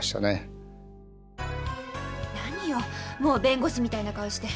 何よもう弁護士みたいな顔して。